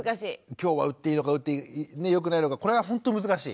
今日は打っていいのか打ってよくないのかこれはほんと難しい。